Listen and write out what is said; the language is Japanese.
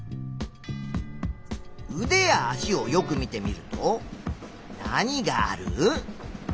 うでや足をよく見てみると何がある？